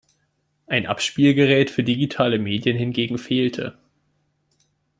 Ein Abspielgerät für digitale Medien hingegen fehlte.